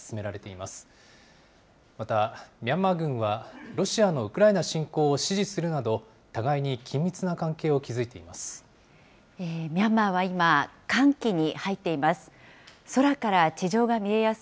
また、ミャンマー軍はロシアのウクライナ侵攻を支持するなど、ミャンマーは今、乾季に入っています。